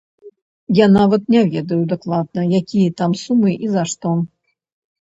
Я нават не ведаю дакладна, якія там сумы і за што.